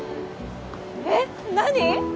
えっ何？